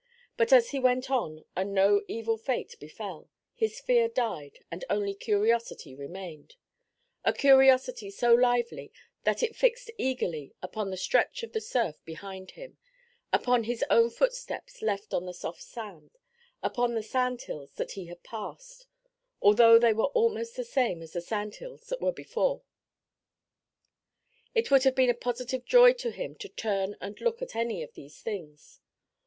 But as he went on and no evil fate befell, his fear died, and only curiosity remained a curiosity so lively that it fixed eagerly upon the stretch of the surf behind him, upon his own footsteps left on the soft sand, upon the sand hills that he had passed, although they were almost the same as the sand hills that were before. It would have been a positive joy to him to turn and look at any of these things.